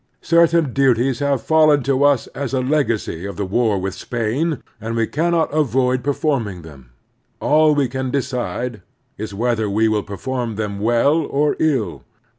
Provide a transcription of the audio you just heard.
Certain duties have fallen to us as a legacy of the war with Spain, and we cannot avoid performing them. All we can decide is whether we will perform them well or ill.